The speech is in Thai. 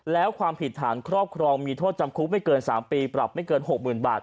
แล้วความผิดฐานครอบครองมีโทษจำคุกไม่เกิน๓ปีปรับไม่เกิน๖๐๐๐บาท